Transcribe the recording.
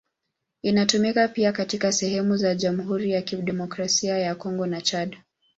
Inatumika pia katika sehemu za Jamhuri ya Kidemokrasia ya Kongo na Chad.